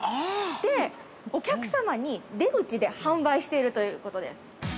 お客様に、出口で販売しているということです。